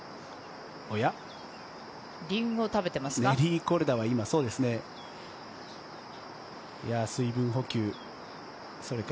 リンゴを食べてますか？